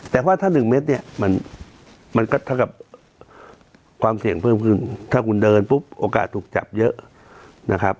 แต่ว่าถ้า๑เมตรเนี่ยมันก็เท่ากับความเสี่ยงเพิ่มขึ้นถ้าคุณเดินปุ๊บโอกาสถูกจับเยอะนะครับ